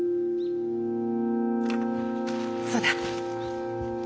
そうだ。